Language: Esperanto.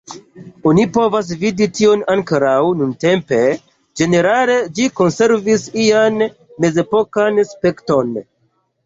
Oni povas vidi tion ankoraŭ nuntempe; ĝenerale ĝi konservis ian mezepokan aspekton.